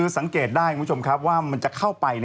เป็น๓แยกเข้าไป